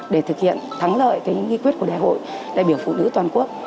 để thực hiện thắng lợi nghị quyết của đại hội đại biểu phụ nữ toàn quốc